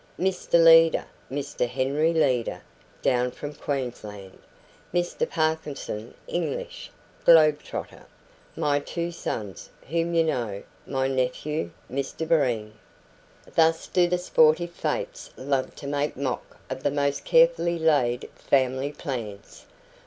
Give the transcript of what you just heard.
"Mr Leader Mr Henry Leader down from Queensland; Mr Parkinson English globe trotter; my two sons, whom you know; my nephew, Mr Breen." Thus do the sportive Fates love to make mock of the most carefully laid family plans!